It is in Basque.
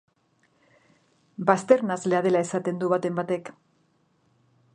Bazter-nahaslea dela esaten du baten batek.